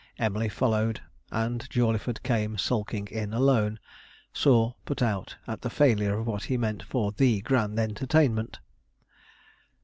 Emily followed, and Jawleyford came sulking in alone, sore put out at the failure of what he meant for the grand entertainment.